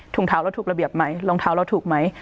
เท้าเราถูกระเบียบไหมรองเท้าเราถูกไหม